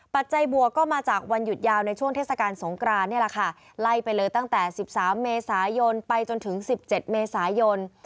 ปัจจวกก็มาจากวันหยุดยาวในช่วงเทศกาลสงกรานนี่แหละค่ะไล่ไปเลยตั้งแต่๑๓เมษายนไปจนถึง๑๗เมษายน